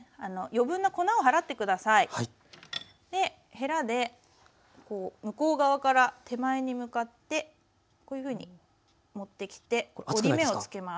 へらで向こう側から手前に向かってこういうふうに持ってきて折り目をつけます。